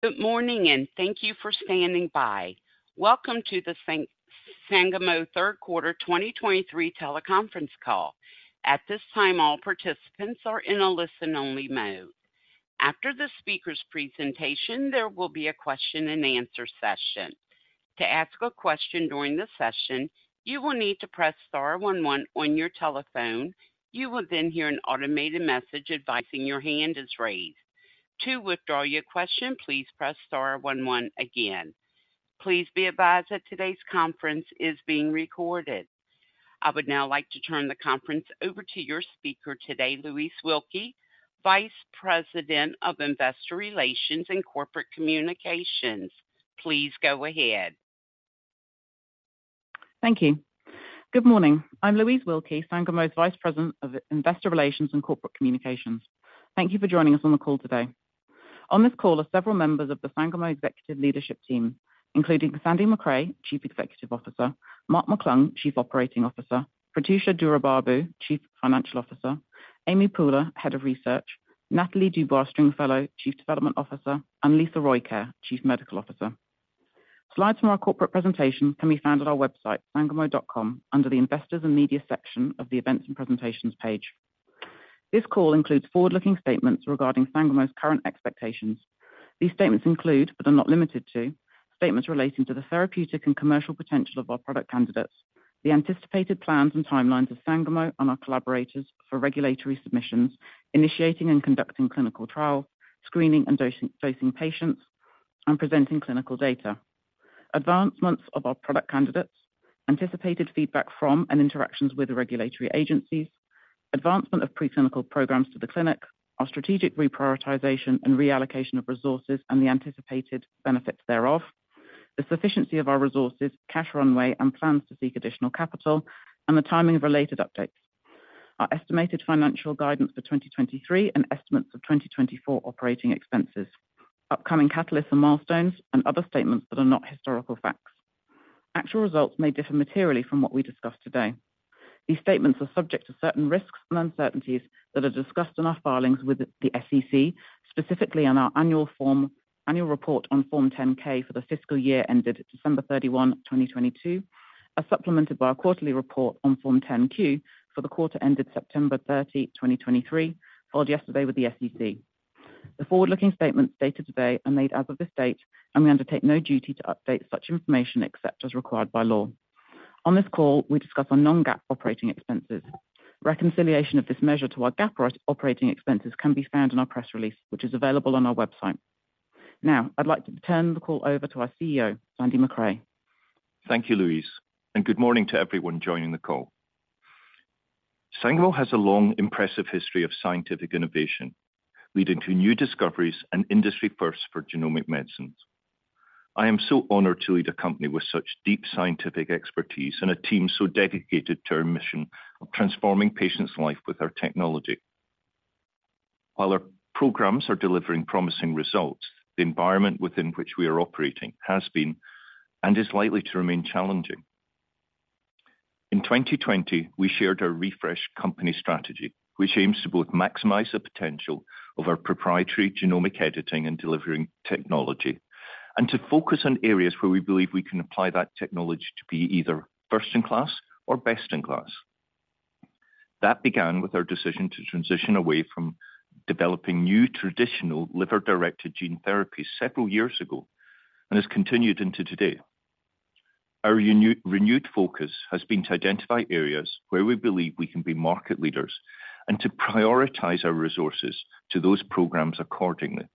Good morning, and thank you for standing by. Welcome to the Sangamo third quarter 2023 teleconference call. At this time, all participants are in a listen-only mode. After the speaker's presentation, there will be a question-and-answer session. To ask a question during the session, you will need to press star one one on your telephone. You will then hear an automated message advising your hand is raised. To withdraw your question, please press star one one again. Please be advised that today's conference is being recorded. I would now like to turn the conference over to your speaker today, Louise Wilkie, Vice President of Investor Relations and Corporate Communications. Please go ahead. Thank you. Good morning, I'm Louise Wilkie, Sangamo's Vice President of Investor Relations and Corporate Communications. Thank you for joining us on the call today. On this call are several members of the Sangamo executive leadership team, including Sandy Macrae, Chief Executive Officer, Mark McClung, Chief Operating Officer, Prathyusha Duraibabu, Chief Financial Officer, Amy Pooler, Head of Research, Nathalie Dubois-Stringfellow, Chief Development Officer, and Lisa Rojkjaer, Chief Medical Officer. Slides from our corporate presentation can be found on our website, sangamo.com, under the Investors and Media section of the Events and Presentations page. This call includes forward-looking statements regarding Sangamo's current expectations. These statements include, but are not limited to, statements relating to the therapeutic and commercial potential of our product candidates, the anticipated plans and timelines of Sangamo and our collaborators for regulatory submissions, initiating and conducting clinical trials, screening and dosing, dosing patients, and presenting clinical data. Advancements of our product candidates, anticipated feedback from and interactions with the regulatory agencies, advancement of preclinical programs to the clinic, our strategic reprioritization and reallocation of resources and the anticipated benefits thereof, the sufficiency of our resources, cash runway, and plans to seek additional capital and the timing of related updates. Our estimated financial guidance for 2023 and estimates of 2024 operating expenses, upcoming catalysts and milestones, and other statements that are not historical facts. Actual results may differ materially from what we discuss today. These statements are subject to certain risks and uncertainties that are discussed in our filings with the SEC, specifically in our annual report on Form 10-K for the fiscal year ended December 31, 2022, as supplemented by our quarterly report on Form 10-Q for the quarter ended September 30, 2023, filed yesterday with the SEC. The forward-looking statements dated today are made as of this date, and we undertake no duty to update such information except as required by law. On this call, we discuss our non-GAAP operating expenses. Reconciliation of this measure to our GAAP operating expenses can be found in our press release, which is available on our website. Now, I'd like to turn the call over to our CEO, Sandy Macrae. Thank you, Louise, and good morning to everyone joining the call. Sangamo has a long, impressive history of scientific innovation, leading to new discoveries and industry firsts for genomic medicines. I am so honored to lead a company with such deep scientific expertise and a team so dedicated to our mission of transforming patients' life with our technology. While our programs are delivering promising results, the environment within which we are operating has been and is likely to remain challenging. In 2020, we shared our refreshed company strategy, which aims to both maximize the potential of our proprietary genomic editing and delivering technology, and to focus on areas where we believe we can apply that technology to be either first-in-class or best-in-class. That began with our decision to transition away from developing new traditional liver-directed gene therapy several years ago and has continued into today. Our renewed focus has been to identify areas where we believe we can be market leaders and to prioritize our resources to those programs accordingly.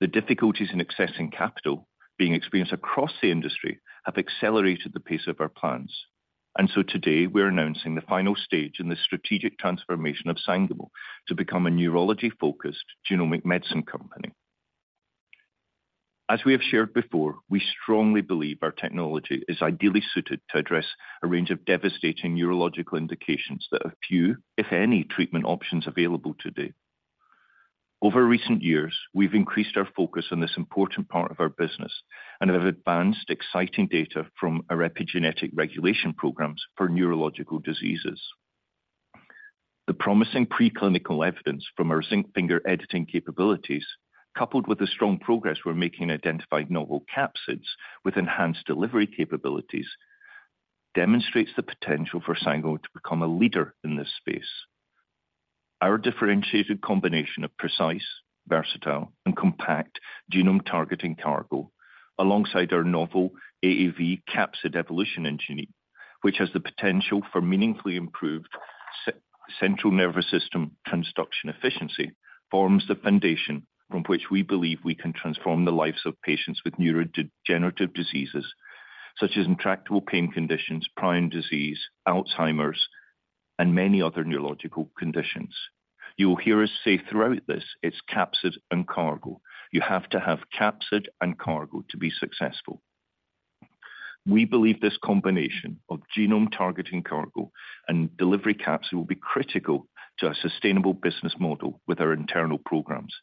The difficulties in accessing capital being experienced across the industry have accelerated the pace of our plans, and so today we're announcing the final stage in the strategic transformation of Sangamo to become a neurology-focused genomic medicine company. As we have shared before, we strongly believe our technology is ideally suited to address a range of devastating neurological indications that have few, if any, treatment options available today. Over recent years, we've increased our focus on this important part of our business and have advanced exciting data from our epigenetic regulation programs for neurological diseases. The promising preclinical evidence from our zinc finger editing capabilities, coupled with the strong progress we're making in identifying novel capsids with enhanced delivery capabilities, demonstrates the potential for Sangamo to become a leader in this space. Our differentiated combination of precise, versatile and compact genome-targeting cargo, alongside our novel AAV capsid evolution engine, which has the potential for meaningfully improved central nervous system transduction efficiency, forms the foundation from which we believe we can transform the lives of patients with neurodegenerative diseases such as intractable pain conditions, prion disease, Alzheimer's, and many other neurological conditions. You will hear us say throughout this, it's capsid and cargo. You have to have capsid and cargo to be successful. We believe this combination of genome-targeting cargo and delivery capsid will be critical to our sustainable business model with our internal programs,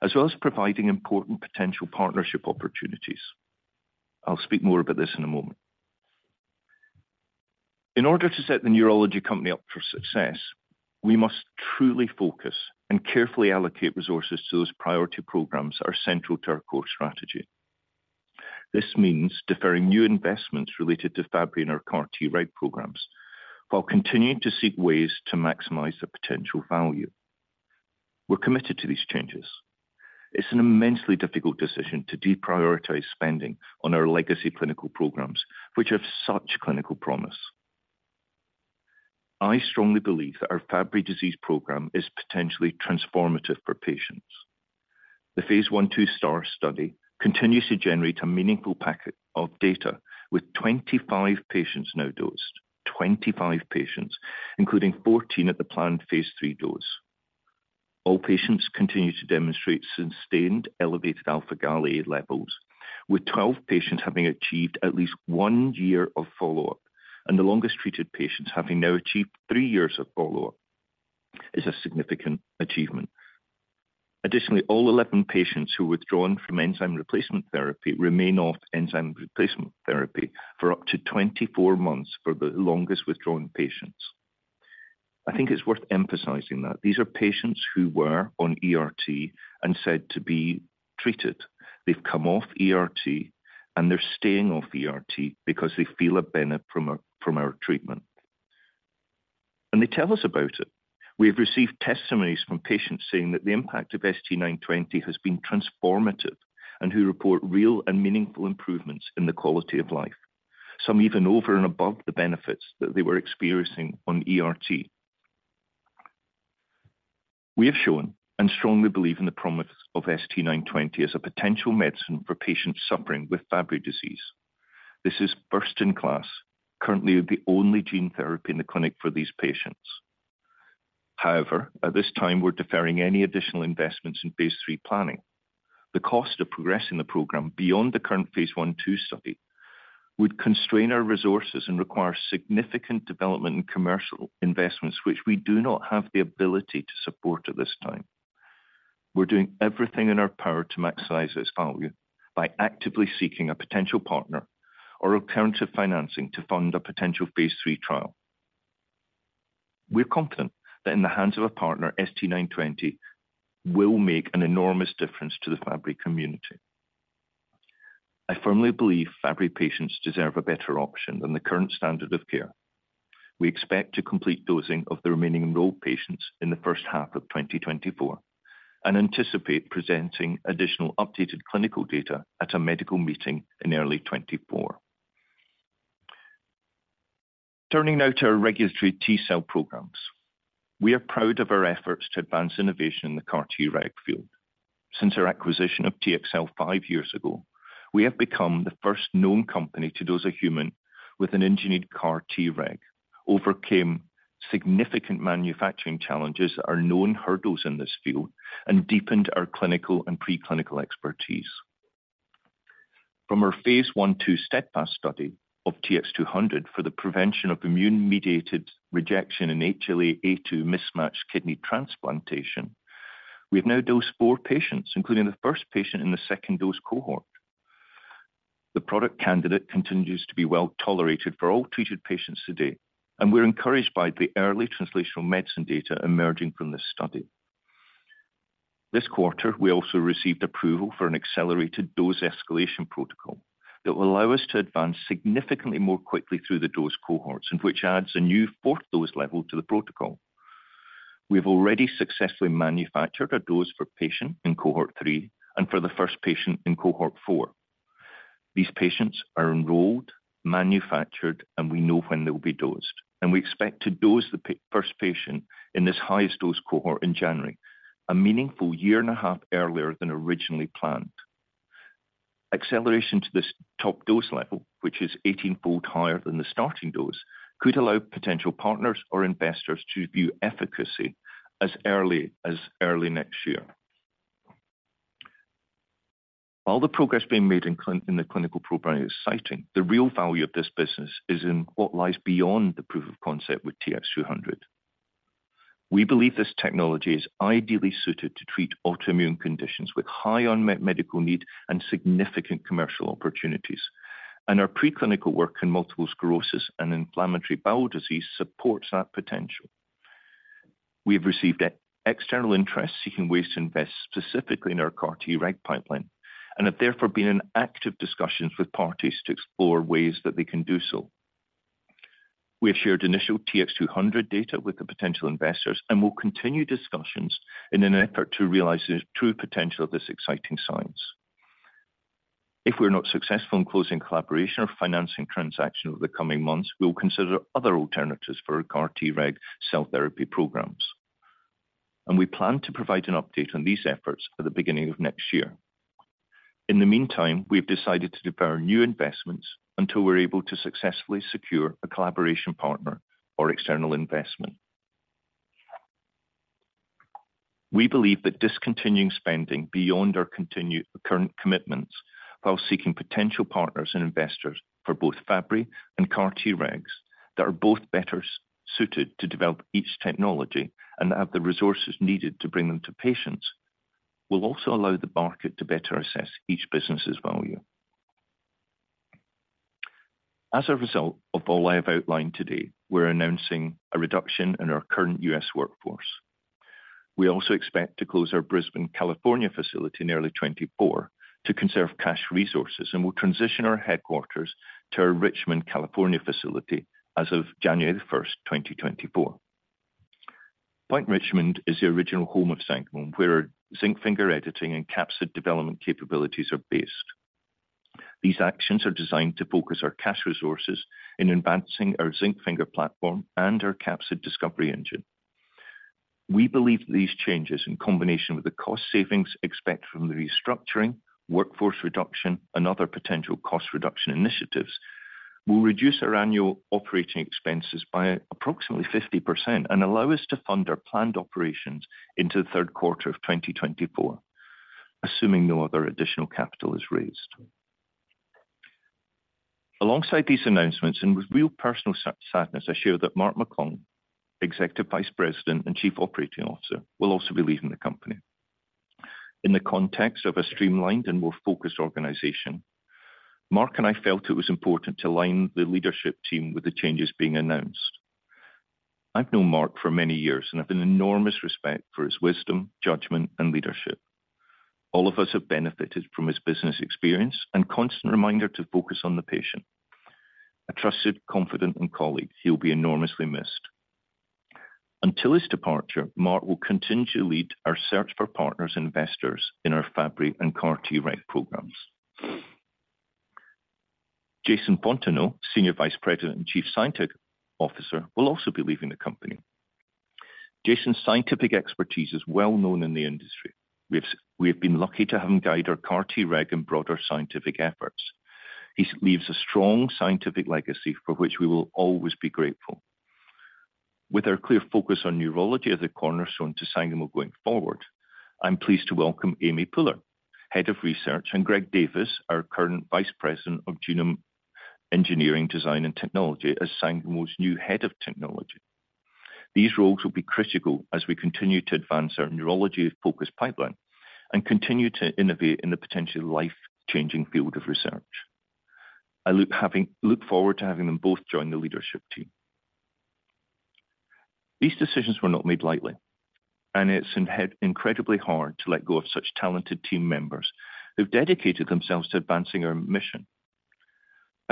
as well as providing important potential partnership opportunities. I'll speak more about this in a moment. In order to set The Neurology Company up for success, we must truly focus and carefully allocate resources to those priority programs that are central to our core strategy. This means deferring new investments related to Fabry and our CAR-Treg programs, while continuing to seek ways to maximize their potential value. We're committed to these changes. It's an immensely difficult decision to deprioritize spending on our legacy clinical programs, which have such clinical promise. I strongly believe that our Fabry disease program is potentially transformative for patients. The Phase 1/2 STAAR study continues to generate a meaningful packet of data, with 25 patients now dosed. 25 patients, including 14 at the planned Phase 3 dose. All patients continue to demonstrate sustained elevated alpha-gal A levels, with 12 patients having achieved at least one year of follow-up, and the longest-treated patients having now achieved three years of follow-up. It's a significant achievement. Additionally, all 11 patients who withdrawn from enzyme replacement therapy remain off enzyme replacement therapy for up to 24 months for the longest withdrawn patients. I think it's worth emphasizing that these are patients who were on ERT and said to be treated. They've come off ERT, and they're staying off ERT because they feel a benefit from our, from our treatment, and they tell us about it. We have received testimonies from patients saying that the impact of ST-920 has been transformative and who report real and meaningful improvements in the quality of life. Some even over and above the benefits that they were experiencing on ERT. We have shown and strongly believe in the promise of ST-920 as a potential medicine for patients suffering with Fabry disease. This is first in class, currently the only gene therapy in the clinic for these patients. However, at this time, we're deferring any additional investments in Phase 3 planning. The cost of progressing the program beyond the current Phase 1/2 study, would constrain our resources and require significant development and commercial investments, which we do not have the ability to support at this time. We're doing everything in our power to maximize its value by actively seeking a potential partner or alternative financing to fund a potential Phase 3 trial. We're confident that in the hands of a partner, ST-920 will make an enormous difference to the Fabry community. I firmly believe Fabry patients deserve a better option than the current standard of care. We expect to complete dosing of the remaining enrolled patients in the first half of 2024 and anticipate presenting additional updated clinical data at a medical meeting in early 2024. Turning now to our regulatory T cell programs. We are proud of our efforts to advance innovation in the CAR-Treg field. Since our acquisition of TxCell 5 years ago, we have become the first known company to dose a human with an engineered CAR-Treg, overcame significant manufacturing challenges that are known hurdles in this field, and deepened our clinical and preclinical expertise. From our Phase 1/2 STEADFAST study of TX200 for the prevention of immune-mediated rejection in HLA-A2 mismatch kidney transplantation, we have now dosed 4 patients, including the first patient in the second dose cohort. The product candidate continues to be well tolerated for all treated patients to date, and we're encouraged by the early translational medicine data emerging from this study. This quarter, we also received approval for an accelerated dose escalation protocol that will allow us to advance significantly more quickly through the dose cohorts and which adds a new fourth dose level to the protocol. We have already successfully manufactured a dose for patient in cohort three and for the first patient in cohort four. These patients are enrolled, manufactured, and we know when they'll be dosed, and we expect to dose the first patient in this highest dose cohort in January, a meaningful year and a half earlier than originally planned. Acceleration to this top dose level, which is 18-fold higher than the starting dose, could allow potential partners or investors to view efficacy as early as early next year. While the progress being made in clinical program is exciting, the real value of this business is in what lies beyond the proof of concept with TX200. We believe this technology is ideally suited to treat autoimmune conditions with high unmet medical need and significant commercial opportunities, and our preclinical work in multiple sclerosis and inflammatory bowel disease supports that potential. We have received external interest, seeking ways to invest specifically in our CAR-Treg pipeline, and have therefore been in active discussions with parties to explore ways that they can do so. We have shared initial TX200 data with the potential investors and will continue discussions in an effort to realize the true potential of this exciting science. If we're not successful in closing collaboration or financing transaction over the coming months, we'll consider other alternatives for our CAR-Treg cell therapy programs, and we plan to provide an update on these efforts at the beginning of next year. In the meantime, we've decided to defer new investments until we're able to successfully secure a collaboration partner or external investment. We believe that discontinuing spending beyond our continued current commitments while seeking potential partners and investors for both Fabry and CAR-Tregs, that are both better suited to develop each technology and have the resources needed to bring them to patients will also allow the market to better assess each business's value. As a result of all I have outlined today, we're announcing a reduction in our current U.S. workforce. We also expect to close our Brisbane, California, facility in early 2024 to conserve cash resources, and we'll transition our headquarters to our Richmond, California, facility as of January 1, 2024. Point Richmond is the original home of Sangamo, where our zinc finger editing and capsid development capabilities are based. These actions are designed to focus our cash resources in advancing our zinc finger platform and our capsid discovery engine. We believe these changes, in combination with the cost savings expected from the restructuring, workforce reduction, and other potential cost reduction initiatives, will reduce our annual operating expenses by approximately 50% and allow us to fund our planned operations into the third quarter of 2024, assuming no other additional capital is raised. Alongside these announcements, and with real personal sadness, I share that Mark McClung, Executive Vice President and Chief Operating Officer, will also be leaving the company. In the context of a streamlined and more focused organization, Mark and I felt it was important to align the leadership team with the changes being announced. I've known Mark for many years and have an enormous respect for his wisdom, judgment, and leadership. All of us have benefited from his business experience and constant reminder to focus on the patient. A trusted confidant and colleague, he'll be enormously missed. Until his departure, Mark will continue to lead our search for partners and investors in our Fabry and CAR-Treg programs. Jason Fontenot, Senior Vice President and Chief Scientific Officer, will also be leaving the company. Jason's scientific expertise is well known in the industry. We have been lucky to have him guide our CAR-Treg and broader scientific efforts. He leaves a strong scientific legacy for which we will always be grateful. With our clear focus on neurology as a cornerstone to Sangamo going forward, I'm pleased to welcome Amy Pooler, Head of Research, and Greg Davis, our current Vice President of Genome Engineering, Design, and Technology, as Sangamo's new Head of Technology. These roles will be critical as we continue to advance our neurology-focused pipeline and continue to innovate in the potentially life-changing field of research. I look forward to having them both join the leadership team. These decisions were not made lightly, and it's incredibly hard to let go of such talented team members who've dedicated themselves to advancing our mission.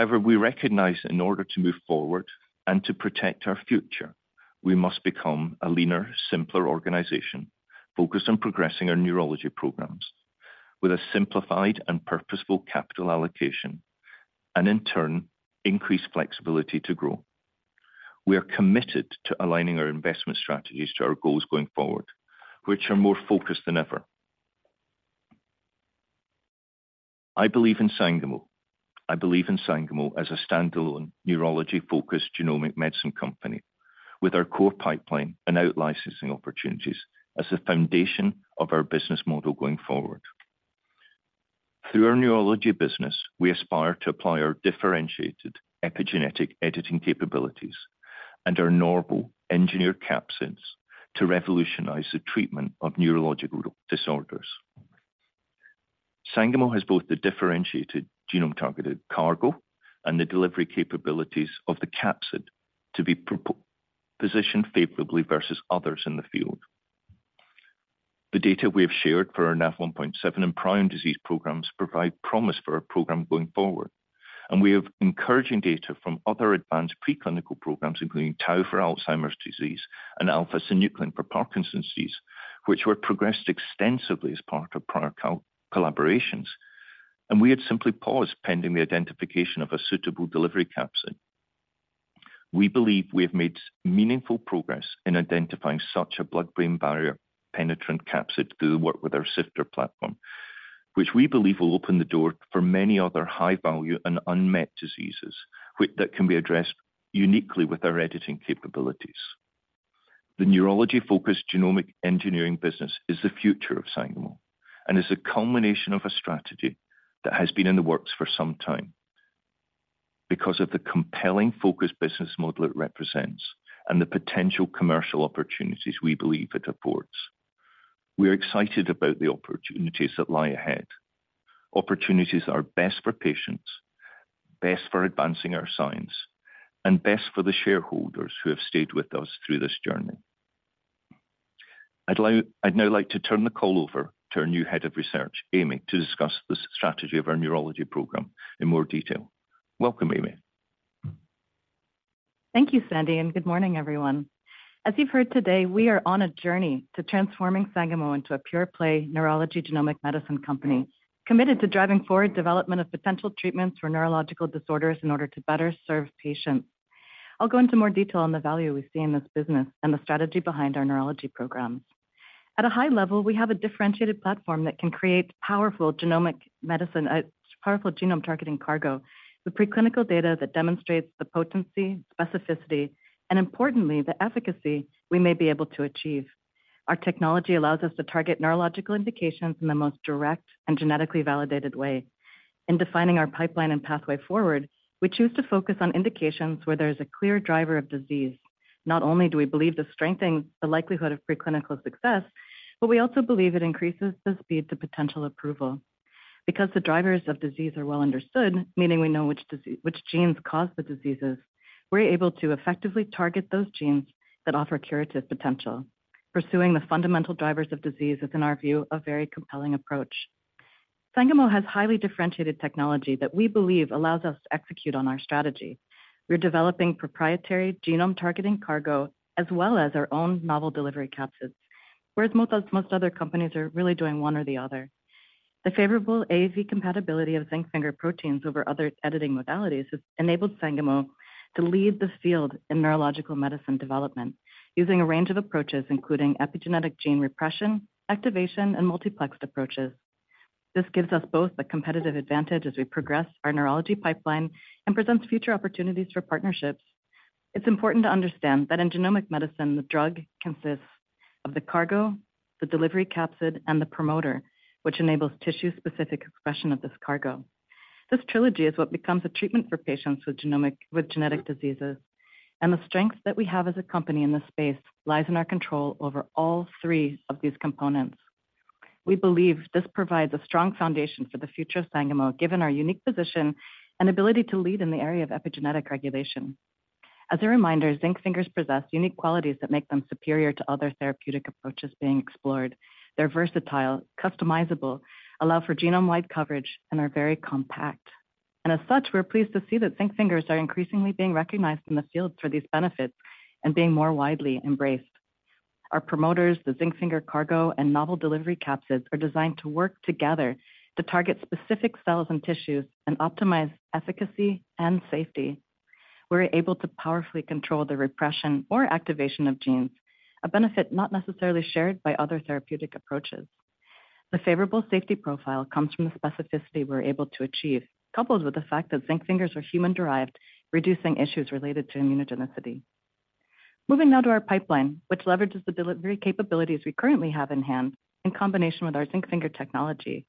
However, we recognize that in order to move forward and to protect our future, we must become a leaner, simpler organization, focused on progressing our neurology programs with a simplified and purposeful capital allocation, and in turn, increase flexibility to grow. We are committed to aligning our investment strategies to our goals going forward, which are more focused than ever. I believe in Sangamo. I believe in Sangamo as a standalone, neurology-focused genomic medicine company with our core pipeline and out-licensing opportunities as the foundation of our business model going forward. Through our neurology business, we aspire to apply our differentiated epigenetic editing capabilities and our novel engineered capsids to revolutionize the treatment of neurological disorders. Sangamo has both the differentiated genome-targeted cargo and the delivery capabilities of the capsid to be positioned favorably versus others in the field. The data we have shared for our Nav1.7 and prion disease programs provide promise for our program going forward, and we have encouraging data from other advanced preclinical programs, including tau for Alzheimer's disease and alpha-synuclein for Parkinson's disease, which were progressed extensively as part of prior collaborations, and we had simply paused pending the identification of a suitable delivery capsid. We believe we have made meaningful progress in identifying such a blood-brain barrier-penetrant capsid through the work with our SIFTER platform, which we believe will open the door for many other high-value and unmet diseases, that can be addressed uniquely with our editing capabilities. The neurology-focused genomic engineering business is the future of Sangamo and is the culmination of a strategy that has been in the works for some time because of the compelling focused business model it represents and the potential commercial opportunities we believe it affords. We're excited about the opportunities that lie ahead. Opportunities that are best for patients, best for advancing our science, and best for the shareholders who have stayed with us through this journey. I'd now like to turn the call over to our new Head of Research, Amy, to discuss the strategy of our neurology program in more detail. Welcome, Amy. Thank you, Sandy, and good morning, everyone. As you've heard today, we are on a journey to transforming Sangamo into a pure-play neurology genomic medicine company, committed to driving forward development of potential treatments for neurological disorders in order to better serve patients. I'll go into more detail on the value we see in this business and the strategy behind our neurology programs. At a high level, we have a differentiated platform that can create powerful genomic medicine, powerful genome targeting cargo, with preclinical data that demonstrates the potency, specificity, and importantly, the efficacy we may be able to achieve. Our technology allows us to target neurological indications in the most direct and genetically validated way. In defining our pipeline and pathway forward, we choose to focus on indications where there is a clear driver of disease. Not only do we believe this strengthens the likelihood of preclinical success, but we also believe it increases the speed to potential approval. Because the drivers of disease are well understood, meaning we know which genes cause the diseases, we're able to effectively target those genes that offer curative potential. Pursuing the fundamental drivers of disease is, in our view, a very compelling approach. Sangamo has highly differentiated technology that we believe allows us to execute on our strategy. We're developing proprietary genome-targeting cargo, as well as our own novel delivery capsids, whereas most other companies are really doing one or the other. The favorable AAV compatibility of zinc finger proteins over other editing modalities has enabled Sangamo to lead the field in neurological medicine development, using a range of approaches, including epigenetic gene repression, activation, and multiplexed approaches. This gives us both a competitive advantage as we progress our neurology pipeline and presents future opportunities for partnerships. It's important to understand that in genomic medicine, the drug consists of the cargo, the delivery capsid, and the promoter, which enables tissue-specific expression of this cargo. This trilogy is what becomes a treatment for patients with genetic diseases, and the strength that we have as a company in this space lies in our control over all three of these components. We believe this provides a strong foundation for the future of Sangamo, given our unique position and ability to lead in the area of epigenetic regulation. As a reminder, zinc fingers possess unique qualities that make them superior to other therapeutic approaches being explored. They're versatile, customizable, allow for genome-wide coverage, and are very compact. And as such, we're pleased to see that zinc fingers are increasingly being recognized in the field for these benefits and being more widely embraced. Our promoters, the zinc finger cargo, and novel delivery capsids are designed to work together to target specific cells and tissues and optimize efficacy and safety. We're able to powerfully control the repression or activation of genes, a benefit not necessarily shared by other therapeutic approaches. The favorable safety profile comes from the specificity we're able to achieve, coupled with the fact that zinc fingers are human-derived, reducing issues related to immunogenicity. Moving now to our pipeline, which leverages the delivery capabilities we currently have in-hand, in combination with our zinc finger technology.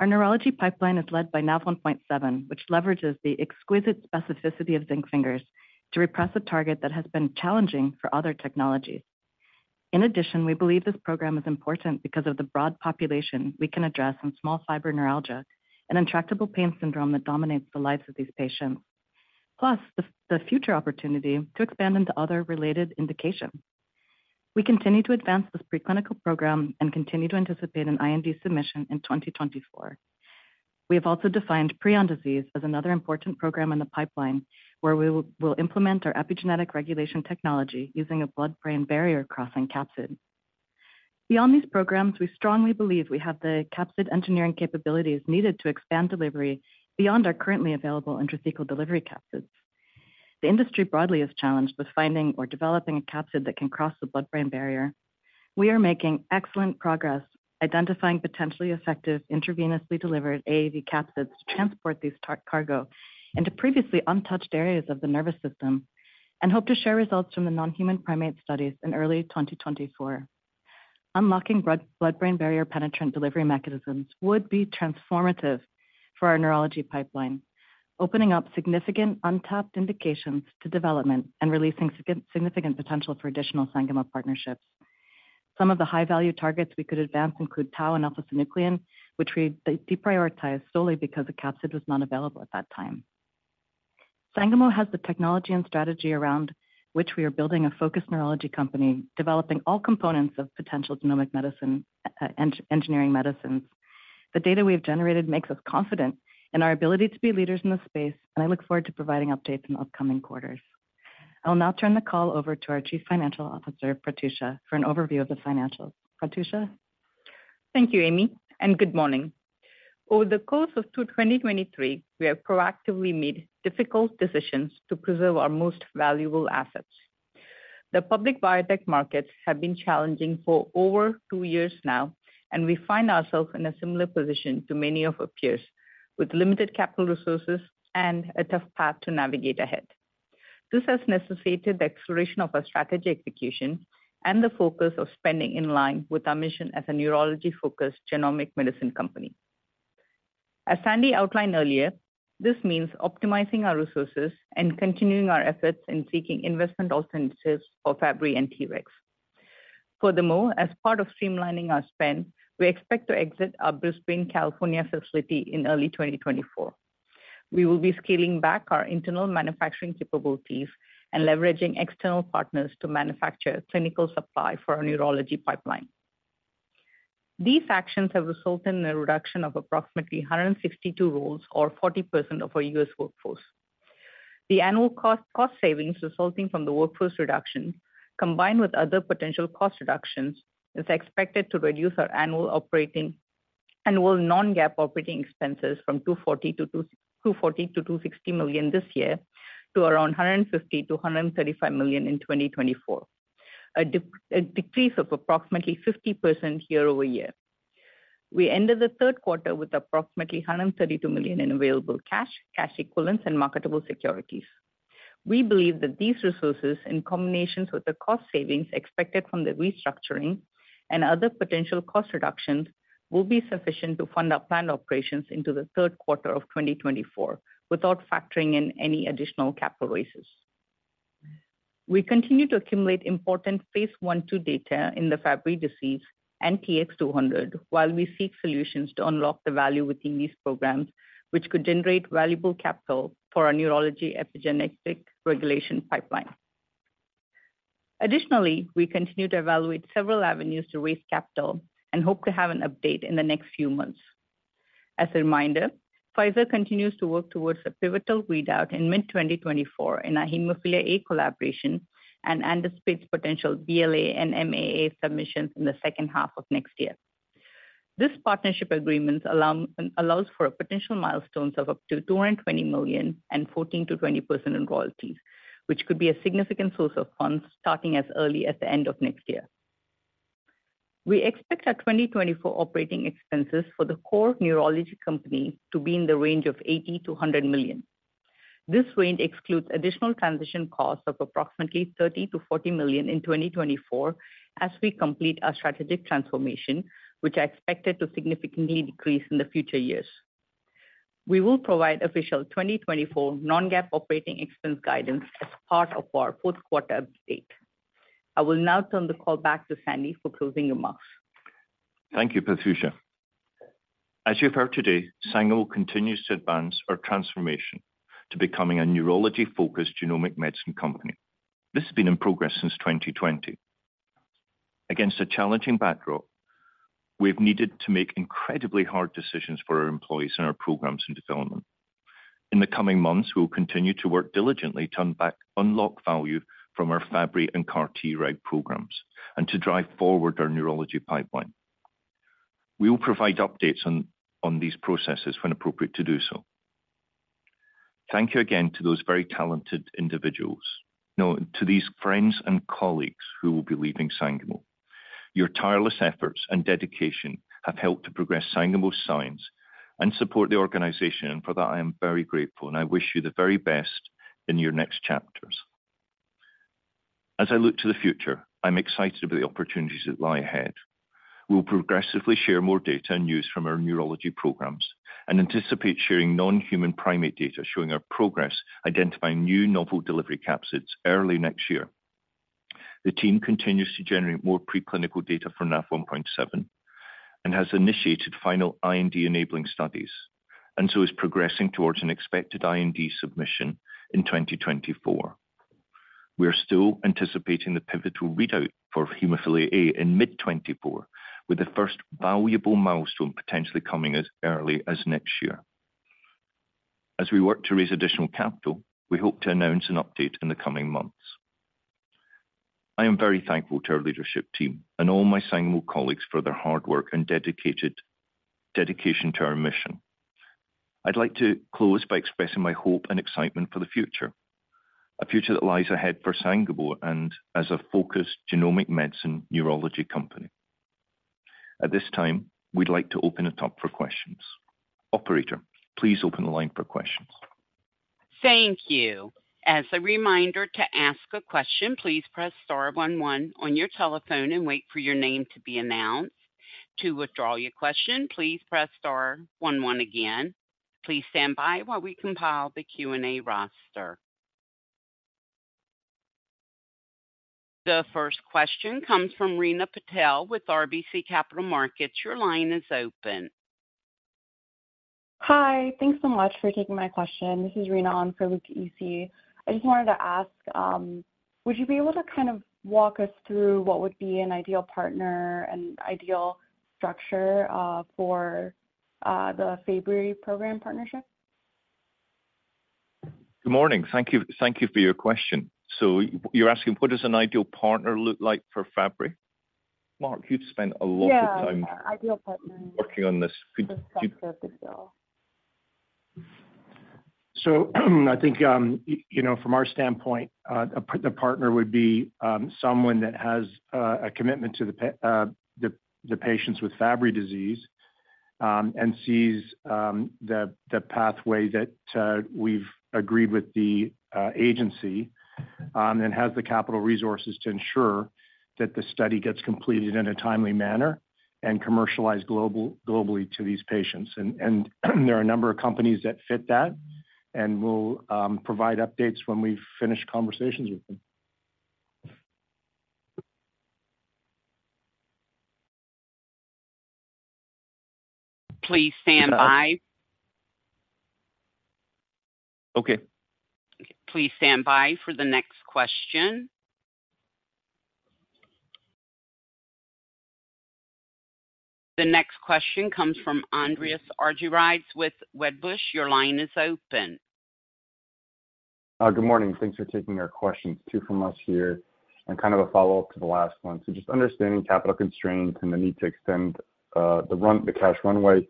Our neurology pipeline is led by Nav1.7, which leverages the exquisite specificity of zinc fingers to repress a target that has been challenging for other technologies. In addition, we believe this program is important because of the broad population we can address in small fiber neuralgia, an intractable pain syndrome that dominates the lives of these patients, plus the future opportunity to expand into other related indications. We continue to advance this preclinical program and continue to anticipate an IND submission in 2024. We have also defined prion disease as another important program in the pipeline, where we will implement our epigenetic regulation technology using a blood-brain barrier crossing capsid. Beyond these programs, we strongly believe we have the capsid engineering capabilities needed to expand delivery beyond our currently available intrathecal delivery capsids. The industry broadly is challenged with finding or developing a capsid that can cross the blood-brain barrier. We are making excellent progress identifying potentially effective intravenously delivered AAV capsids to transport these cargo into previously untouched areas of the nervous system and hope to share results from the non-human primate studies in early 2024. Unlocking blood-brain barrier penetrant delivery mechanisms would be transformative for our neurology pipeline, opening up significant untapped indications to development and releasing significant potential for additional Sangamo partnerships. Some of the high-value targets we could advance include tau and alpha-synuclein, which we deprioritized solely because the capsid was not available at that time. Sangamo has the technology and strategy around which we are building a focused neurology company, developing all components of potential genomic medicine engineering medicines. The data we have generated makes us confident in our ability to be leaders in this space, and I look forward to providing updates in upcoming quarters. I will now turn the call over to our Chief Financial Officer, Prathyusha, for an overview of the financials. Prathyusha? Thank you, Amy, and good morning. Over the course of 2023, we have proactively made difficult decisions to preserve our most valuable assets. The public biotech markets have been challenging for over two years now, and we find ourselves in a similar position to many of our peers, with limited capital resources and a tough path to navigate ahead. This has necessitated the exploration of our strategy execution and the focus of spending in line with our mission as a neurology-focused genomic medicine company. As Sandy outlined earlier, this means optimizing our resources and continuing our efforts in seeking investment alternatives for Fabry and Tregs. Furthermore, as part of streamlining our spend, we expect to exit our Brisbane, California, facility in early 2024. We will be scaling back our internal manufacturing capabilities and leveraging external partners to manufacture clinical supply for our neurology pipeline. These actions have resulted in a reduction of approximately 162 roles, or 40% of our U.S. workforce. The annual cost savings resulting from the workforce reduction, combined with other potential cost reductions, is expected to reduce our annual non-GAAP operating expenses from $240 million-$260 million this year to around $135 million-$150 million in 2024, a decrease of approximately 50% year over year. We ended the third quarter with approximately $132 million in available cash, cash equivalents, and marketable securities. We believe that these resources, in combination with the cost savings expected from the restructuring and other potential cost reductions, will be sufficient to fund our planned operations into the third quarter of 2024 without factoring in any additional capital raises. We continue to accumulate important Phase 1/2 data in the Fabry disease and TX200, while we seek solutions to unlock the value within these programs, which could generate valuable capital for our neurology epigenetic regulation pipeline. Additionally, we continue to evaluate several avenues to raise capital and hope to have an update in the next few months. As a reminder, Pfizer continues to work towards a pivotal readout in mid-2024 in our hemophilia A collaboration and anticipates potential BLA and MAA submissions in the second half of next year. This partnership agreement allows for potential milestones of up to $220 million and 14%-20% in royalties, which could be a significant source of funds starting as early as the end of next year. We expect our 2024 operating expenses for the core neurology company to be in the range of $80 million-$100 million. This range excludes additional transition costs of approximately $30 million-$40 million in 2024 as we complete our strategic transformation, which are expected to significantly decrease in the future years. We will provide official 2024 non-GAAP operating expense guidance as part of our fourth quarter update. I will now turn the call back to Sandy for closing remarks. Thank you, Prathyusha. As you've heard today, Sangamo continues to advance our transformation to becoming a neurology-focused genomic medicine company. This has been in progress since 2020. Against a challenging backdrop, we've needed to make incredibly hard decisions for our employees and our programs and development. In the coming months, we will continue to work diligently to unlock value from our Fabry and CAR-Treg programs and to drive forward our neurology pipeline. We will provide updates on these processes when appropriate to do so. Thank you again to those very talented individuals. Now, to these friends and colleagues who will be leaving Sangamo, your tireless efforts and dedication have helped to progress Sangamo's science and support the organization, and for that, I am very grateful, and I wish you the very best in your next chapters. As I look to the future, I'm excited about the opportunities that lie ahead. We'll progressively share more data and news from our neurology programs and anticipate sharing non-human primate data, showing our progress, identifying new novel delivery capsids early next year. The team continues to generate more preclinical data for Nav1.7 and has initiated final IND-enabling studies, and so is progressing towards an expected IND submission in 2024. We are still anticipating the pivotal readout for hemophilia A in mid-2024, with the first valuable milestone potentially coming as early as next year. As we work to raise additional capital, we hope to announce an update in the coming months. I am very thankful to our leadership team and all my Sangamo colleagues for their hard work and dedication to our mission. I'd like to close by expressing my hope and excitement for the future, a future that lies ahead for Sangamo and as a focused genomic medicine neurology company. At this time, we'd like to open it up for questions. Operator, please open the line for questions. Thank you. As a reminder to ask a question, please press star one one on your telephone and wait for your name to be announced. To withdraw your question, please press star one one again. Please stand by while we compile the Q&A roster. The first question comes from Rina Patel with RBC Capital Markets. Your line is open. Hi, thanks so much for taking my question. This is Rina. I'm from RBC. I just wanted to ask, would you be able to kind of walk us through what would be an ideal partner and ideal structure, for the Fabry program partnership? Good morning. Thank you, thank you for your question. So you're asking, what does an ideal partner look like for Fabry? Mark, you've spent a lot of time- Yeah, ideal partner. Working on this. Could you- The structure as well. So I think, you know, from our standpoint, the partner would be someone that has a commitment to the patients with Fabry disease, and sees the pathway that we've agreed with the agency, and has the capital resources to ensure that the study gets completed in a timely manner and commercialized globally to these patients. And there are a number of companies that fit that, and we'll provide updates when we've finished conversations with them. Please stand by. Okay. Please stand by for the next question. The next question comes from Andreas Argyrides with Wedbush. Your line is open. Good morning. Thanks for taking our questions. Two from us here, and kind of a follow-up to the last one. So just understanding capital constraints and the need to extend the cash runway.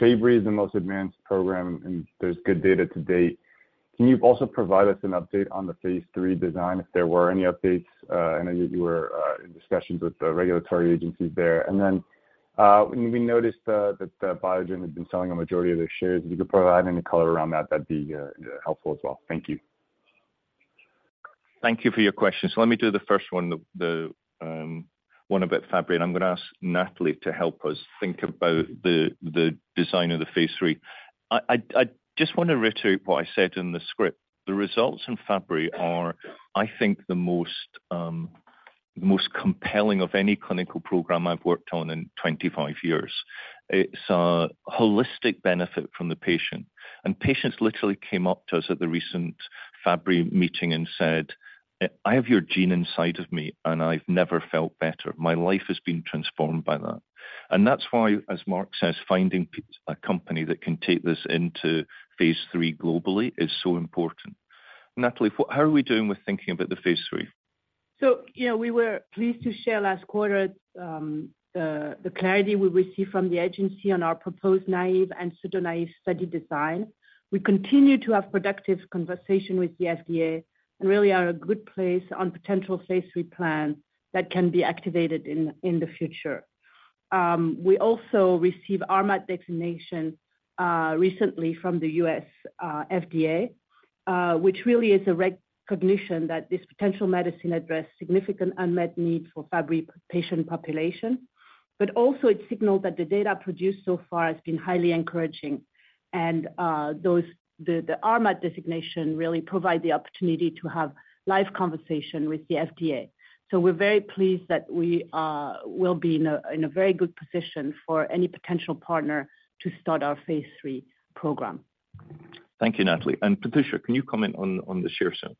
Fabry is the most advanced program, and there's good data to date. Can you also provide us an update on the Phase III design, if there were any updates? I know you were in discussions with the regulatory agencies there. And then we noticed that Biogen had been selling a majority of their shares. If you could provide any color around that, that'd be helpful as well. Thank you. Thank you for your questions. Let me do the first one about Fabry, and I'm going to ask Nathalie to help us think about the design of the Phase 3. I just want to reiterate what I said in the script. The results in Fabry are, I think, the most compelling of any clinical program I've worked on in 25 years. It's a holistic benefit from the patient, and patients literally came up to us at the recent Fabry meeting and said: "I have your gene inside of me, and I've never felt better. My life has been transformed by that." And that's why, as Mark says, finding a company that can take this into Phase 3 globally is so important. Nathalie, what, how are we doing with thinking about the Phase 3? So, yeah, we were pleased to share last quarter the clarity we received from the agency on our proposed naive and pseudo-naive study design. We continue to have productive conversation with the FDA and really are in a good place on potential Phase 3 plan that can be activated in the future. We also receive RMAT designation recently from the U.S. FDA, which really is a recognition that this potential medicine addresses significant unmet need for Fabry patient population. But also it signals that the data produced so far has been highly encouraging. The RMAT designation really provide the opportunity to have live conversation with the FDA. So we're very pleased that we will be in a very good position for any potential partner to start our Phase 3 program. Thank you, Nathalie. Prathyusha, can you comment on the share sale?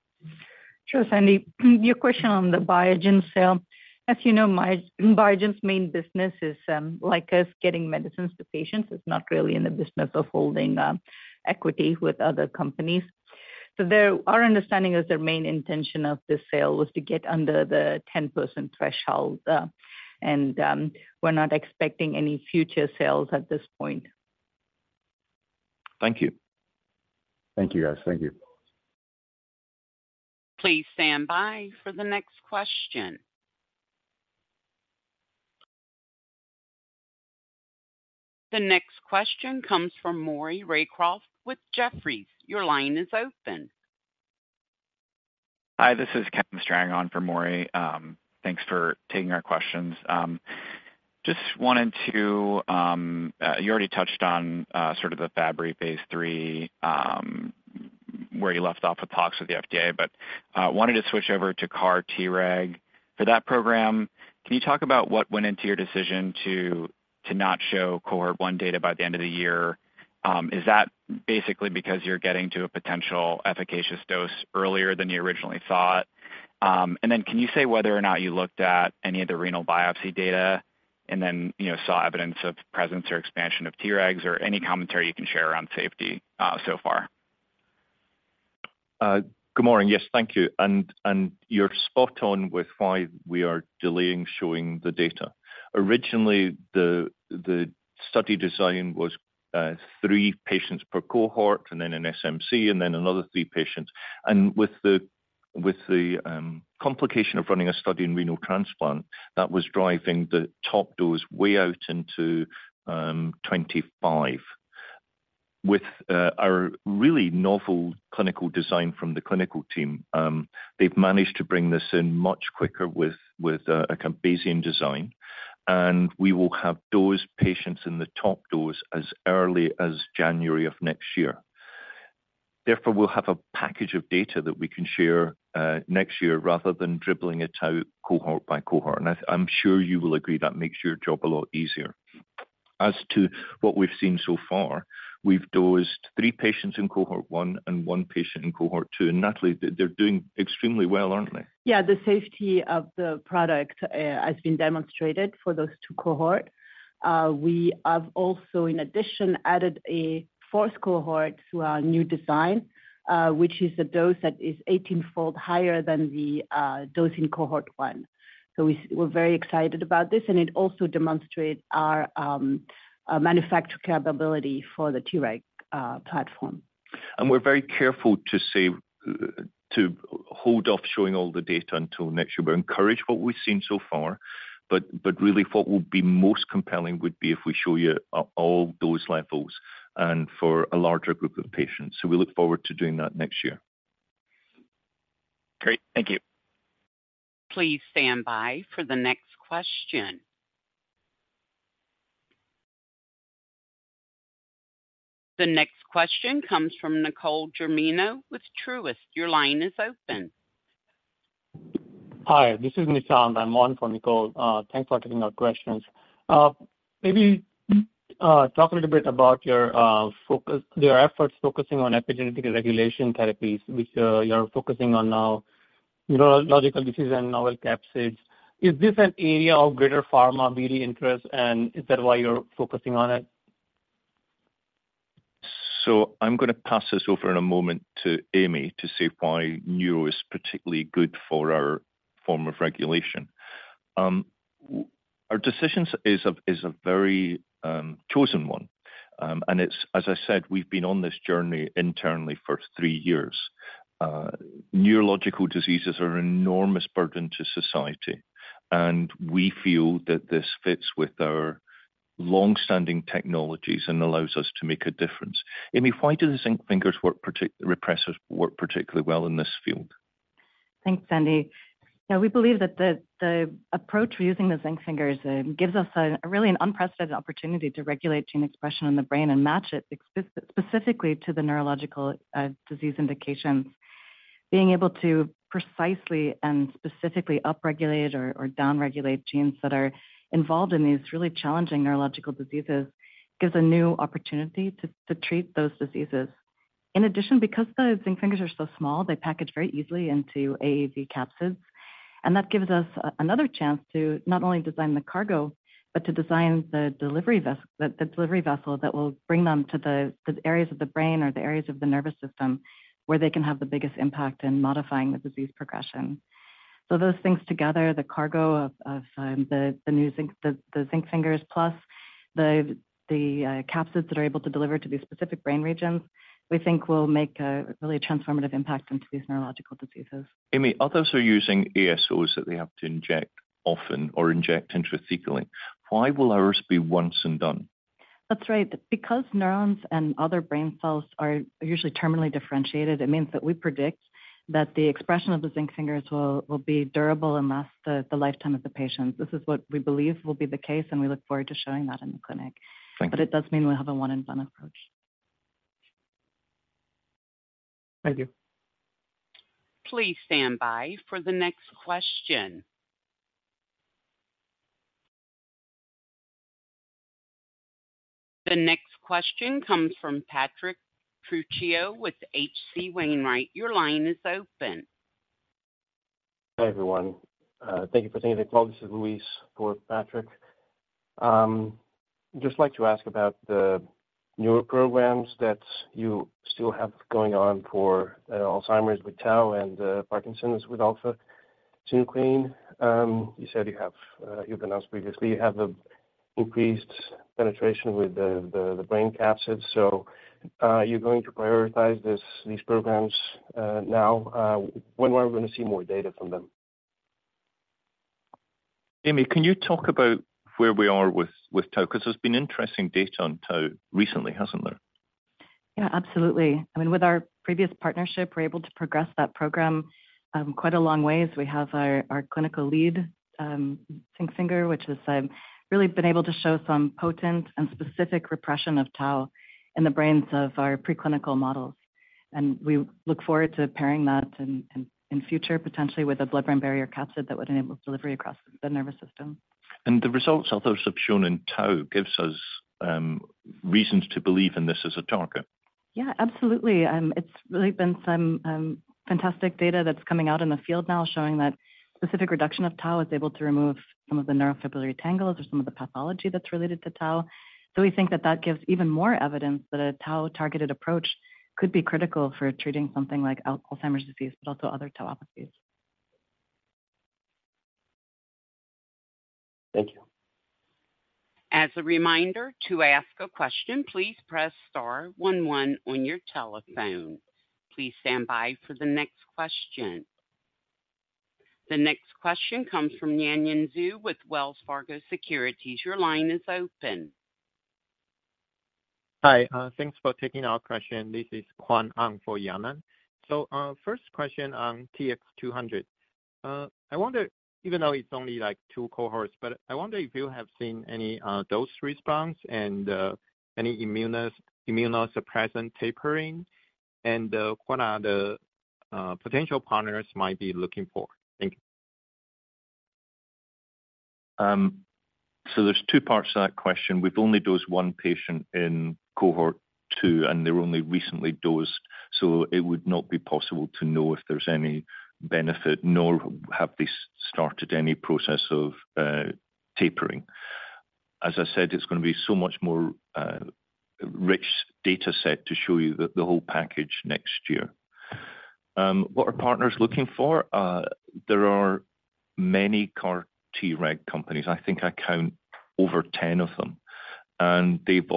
Sure, Sandy. Your question on the Biogen sale. As you know, Biogen's main business is, like us, getting medicines to patients. It's not really in the business of holding equity with other companies. So there, our understanding is their main intention of this sale was to get under the 10% threshold, and we're not expecting any future sales at this point. Thank you. Thank you, guys. Thank you. Please stand by for the next question. The next question comes from Maury Raycroft with Jefferies. Your line is open. Hi, this is Kevin Strang on for Maury. Thanks for taking our questions. Just wanted to, you already touched on, sort of the Fabry Phase 3, where you left off with talks with the FDA, but, wanted to switch over to CAR-Treg. For that program, can you talk about what went into your decision to, to not show cohort 1 data by the end of the year? Is that basically because you're getting to a potential efficacious dose earlier than you originally thought? And then can you say whether or not you looked at any of the renal biopsy data and then, you know, saw evidence of presence or expansion of Tregs, or any commentary you can share around safety, so far? Good morning. Yes, thank you. You're spot on with why we are delaying showing the data. Originally, the study design was three patients per cohort and then an SMC and then another three patients. With the complication of running a study in renal transplant, that was driving the top doors way out into 2025. With our really novel clinical design from the clinical team, they've managed to bring this in much quicker with a Bayesian design, and we will have those patients in the top doors as early as January of next year. Therefore, we'll have a package of data that we can share next year, rather than dribbling it out cohort by cohort. I- I'm sure you will agree, that makes your job a lot easier. As to what we've seen so far, we've dosed 3 patients in cohort 1 and 1 patient in cohort 2. And Nathalie, they're doing extremely well, aren't they? Yeah, the safety of the product has been demonstrated for those two cohorts. We have also, in addition, added a fourth cohort to our new design, which is a dose that is eighteenfold higher than the dose in cohort one. So we're very excited about this, and it also demonstrates our manufacture capability for the Treg platform. We're very careful to say to hold off showing all the data until next year. We're encouraged what we've seen so far, but really what would be most compelling would be if we show you all those levels and for a larger group of patients. We look forward to doing that next year. Great. Thank you. Please stand by for the next question. The next question comes from Nicole Germino with Truist. Your line is open. Hi, this is Nishant. I'm on for Nicole. Thanks for taking our questions. Maybe talk a little bit about your focus... Your efforts focusing on epigenetic regulation therapies, which you're focusing on now, neurological disease and novel capsids. Is this an area of greater pharma, really interest, and is that why you're focusing on it? So I'm gonna pass this over in a moment to Amy to say why neuro is particularly good for our form of regulation. Our decision is a very chosen one, and it's, as I said, we've been on this journey internally for three years. Neurological diseases are an enormous burden to society, and we feel that this fits with our longstanding technologies and allows us to make a difference. Amy, why do the zinc finger repressors work particularly well in this field? Thanks, Andy. Yeah, we believe that the approach we're using, the zinc fingers, gives us a really an unprecedented opportunity to regulate gene expression in the brain and match it specifically to the neurological disease indications. Being able to precisely and specifically upregulate or downregulate genes that are involved in these really challenging neurological diseases, gives a new opportunity to treat those diseases. In addition, because the zinc fingers are so small, they package very easily into AAV capsids, and that gives us another chance to not only design the cargo, but to design the delivery vessel that will bring them to the areas of the brain or the areas of the nervous system, where they can have the biggest impact in modifying the disease progression. Those things together, the cargo of the new zinc fingers, plus the capsids that are able to deliver to these specific brain regions, we think will make a really transformative impact in these neurological diseases. Amy, others are using ASOs that they have to inject often or inject intrathecally. Why will ours be once and done? That's right. Because neurons and other brain cells are usually terminally differentiated, it means that we predict that the expression of the zinc fingers will be durable and last the lifetime of the patient. This is what we believe will be the case, and we look forward to showing that in the clinic. Thank you. But it does mean we'll have a one-and-done approach. Thank you. Please stand by for the next question. The next question comes from Patrick Trucchio with H.C. Wainwright. Your line is open. Hi, everyone. Thank you for taking the call. This is Luis for Patrick. Just like to ask about the newer programs that you still have going on for Alzheimer's with tau and Parkinson's with alpha-synuclein. You said you have, you've announced previously you have a increased penetration with the brain capsid, so you're going to prioritize these programs now. When are we going to see more data from them? Amy, can you talk about where we are with tau? Because there's been interesting data on tau recently, hasn't there? Yeah, absolutely. I mean, with our previous partnership, we're able to progress that program quite a long ways. We have our clinical lead zinc finger, which has really been able to show some potent and specific repression of tau in the brains of our preclinical models. And we look forward to pairing that in future, potentially with a blood-brain barrier capsid that would enable delivery across the nervous system. The results others have shown in tau gives us reasons to believe in this as a target? Yeah, absolutely. It's really been some fantastic data that's coming out in the field now, showing that specific reduction of tau is able to remove some of the neurofibrillary tangles or some of the pathology that's related to tau. So we think that that gives even more evidence that a tau-targeted approach could be critical for treating something like Alzheimer's disease, but also other tauopathies. Thank you. As a reminder, to ask a question, please press star one one on your telephone. Please stand by for the next question. The next question comes from Yanan Zhu with Wells Fargo Securities. Your line is open. Hi. Thanks for taking our question. This is Kuan Ang for Yanan. So, first question on TX200. I wonder, even though it's only like 2 cohorts, but I wonder if you have seen any dose response and any immunosuppressant tapering, and what are the potential partners might be looking for? Thank you. So there's two parts to that question. We've only dosed one patient in cohort two, and they're only recently dosed, so it would not be possible to know if there's any benefit, nor have they started any process of tapering. As I said, it's gonna be so much more rich data set to show you the whole package next year. What are partners looking for? There are many CAR-Treg companies. I think I count over 10 of them, and they've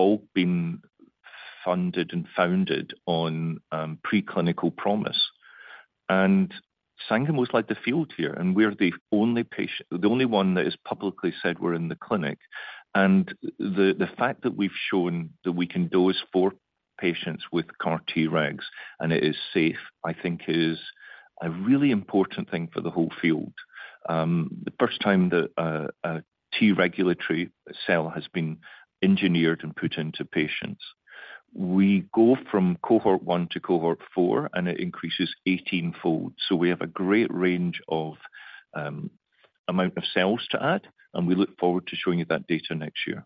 all been funded and founded on preclinical promise. And Sangamo's led the field here, and we're the only patient, the only one that has publicly said we're in the clinic. The fact that we've shown that we can dose 4 patients with CAR-Tregs and it is safe, I think, is a really important thing for the whole field. The first time that a T regulatory cell has been engineered and put into patients, we go from cohort 1 to cohort 4, and it increases eighteenfold. We have a great range of amount of cells to add, and we look forward to showing you that data next year.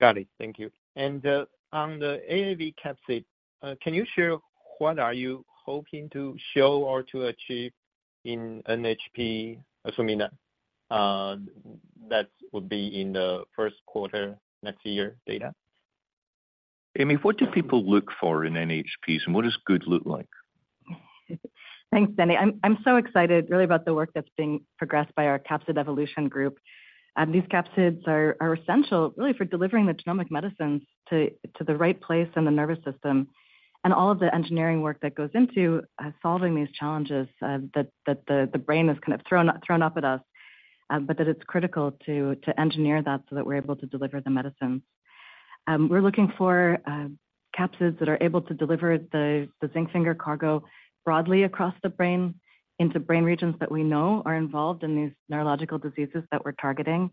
Got it. Thank you. And, on the AAV capsid, can you share what are you hoping to show or to achieve in NHP, assuming that would be in the first quarter next year data? Amy, what do people look for in NHPs and what does good look like? Thanks, Andy. I'm so excited really about the work that's being progressed by our capsid evolution group. These capsids are essential really for delivering the genomic medicines to the right place in the nervous system. And all of the engineering work that goes into solving these challenges that the brain has kind of thrown up at us, but that it's critical to engineer that so that we're able to deliver the medicine. We're looking for capsids that are able to deliver the zinc finger cargo broadly across the brain into brain regions that we know are involved in these neurological diseases that we're targeting.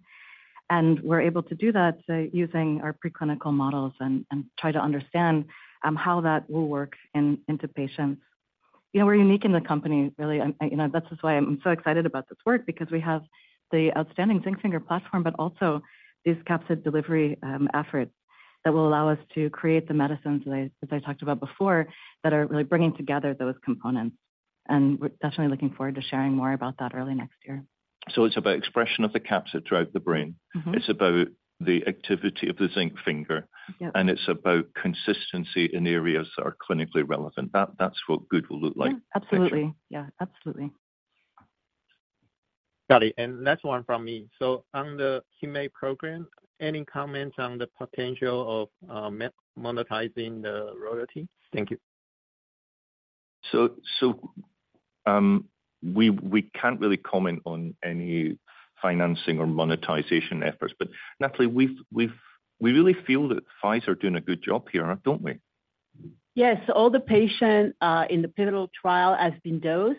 And we're able to do that by using our preclinical models and try to understand how that will work into patients. You know, we're unique in the company, really, and, you know, that's just why I'm so excited about this work, because we have the outstanding zinc finger platform, but also these capsid delivery efforts that will allow us to create the medicines that I talked about before, that are really bringing together those components. And we're definitely looking forward to sharing more about that early next year. It's about expression of the capsid throughout the brain. Mm-hmm. It's about the activity of the zinc finger- Yep. And it's about consistency in areas that are clinically relevant. That, that's what good will look like? Absolutely. Yeah, absolutely. Got it. And last one from me. So on the hemophilia A program, any comments on the potential of monetizing the royalty? Thank you. We can't really comment on any financing or monetization efforts, but, Nathalie, we really feel that Pfizer are doing a good job here, don't we? Yes. All the patient in the pivotal trial has been dosed.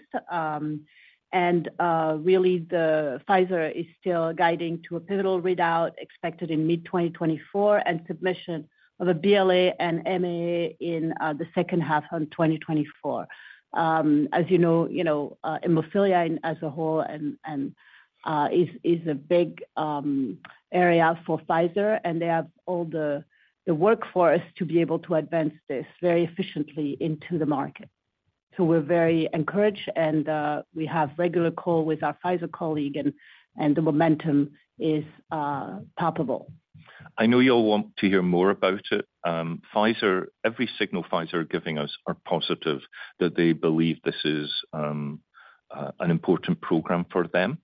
Really, Pfizer is still guiding to a pivotal readout, expected in mid-2024, and submission of a BLA and MAA in the second half of 2024. As you know, you know, hemophilia as a whole and is a big area for Pfizer, and they have all the workforce to be able to advance this very efficiently into the market. So we're very encouraged, and we have regular call with our Pfizer colleague and the momentum is palpable. I know you'll want to hear more about it. Pfizer, every signal Pfizer are giving us are positive, that they believe this is an important program for them.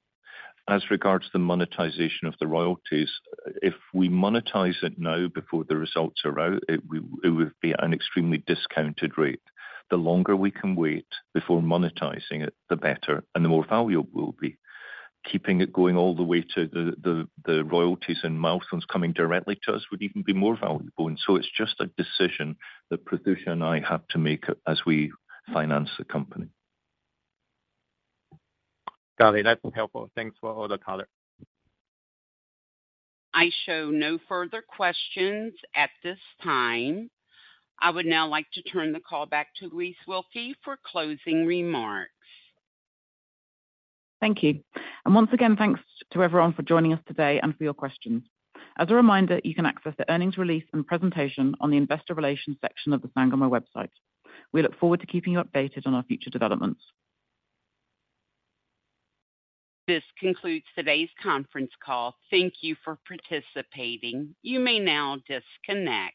As regards to the monetization of the royalties, if we monetize it now before the results are out, it will, it would be an extremely discounted rate. The longer we can wait before monetizing it, the better, and the more valuable it will be. Keeping it going all the way to the royalties and milestones coming directly to us would even be more valuable, and so it's just a decision that Prathyusha and I have to make as we finance the company. Got it. That's helpful. Thanks for all the color. I show no further questions at this time. I would now like to turn the call back to Louise Wilkie for closing remarks. Thank you. Once again, thanks to everyone for joining us today and for your questions. As a reminder, you can access the earnings release and presentation on the investor relations section of the Sangamo website. We look forward to keeping you updated on our future developments. This concludes today's conference call. Thank you for participating. You may now disconnect.